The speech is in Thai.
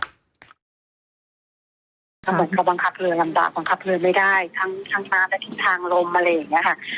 ก็เหมือนเขาบังคับเรือลำบากบังคับเรือไม่ได้ทั้งน้ำและทิศทางลมอะไรอย่างนี้ค่ะ